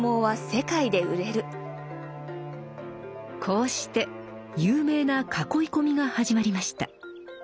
こうして有名な「囲い込み」が始まりました。